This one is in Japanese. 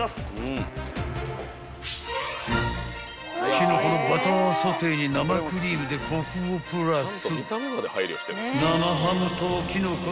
［キノコのバターソテーに生クリームでコクをプラス］